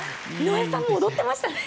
井上さんも踊ってましたね。